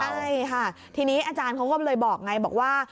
ใช่ค่ะทีนี้อาจารย์เขาก็เลยบอกไงบอกว่า